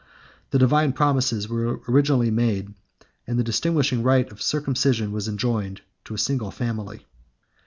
The divine promises were originally made, and the distinguishing rite of circumcision was enjoined, to a single family.